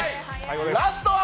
ラストは？